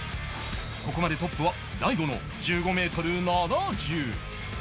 ここまでトップは大悟の１５メートル７０